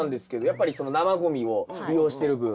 やっぱりその生ごみを利用してる分。